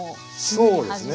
そうですね。